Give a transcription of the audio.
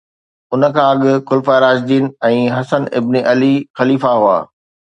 ان کان اڳ خلفاء راشدين ۽ حسن ابن علي خليفا هئا